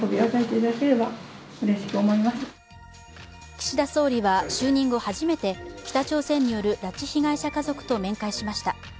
岸田総理は就任後初めて北朝鮮による拉致被害者家族と面会しました。